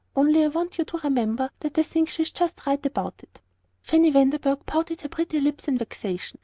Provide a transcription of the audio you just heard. Only I want you to remember that I think she is just right about it." Fanny Vanderburgh pouted her pretty lips in vexation.